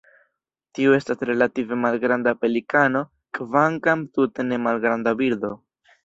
Tiu estas relative malgranda pelikano kvankam tute ne malgranda birdo.